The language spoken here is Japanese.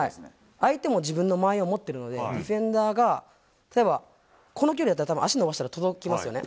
相手も自分の間合いを持っているので、ディフェンダーが、例えば、この距離だったら、たぶん足伸ばしたら、届きますよね。